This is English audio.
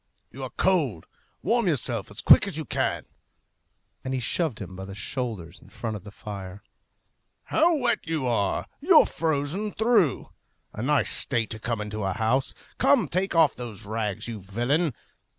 You are cold. Warm yourself as quick as you can," and he shoved him by the shoulders in front of the fire. "How wet you are! You're frozen through! A nice state to come into a house! Come, take off those rags, you villain!"